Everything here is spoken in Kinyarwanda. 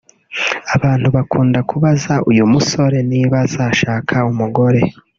Abantu bakunda kubaza uyu musore niba azashaka umugore